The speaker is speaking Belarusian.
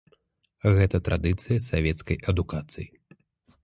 Гэта традыцыя савецкай адукацыі.